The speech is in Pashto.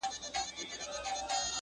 انار ګل د ارغنداو پر بګړۍ سپور سو٫